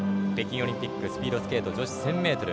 北京オリンピックスピードスケート女子１０００ｍ。